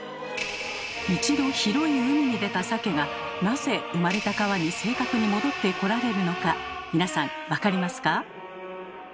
一度広い海に出たサケがなぜ生まれた川に正確に戻ってこられるのか皆さん分かりますか？